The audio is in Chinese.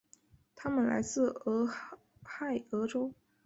他们来自俄亥俄州。